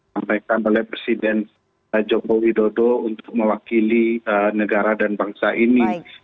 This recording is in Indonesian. sampaikan oleh presiden joko widodo untuk mewakili negara dan bangsa ini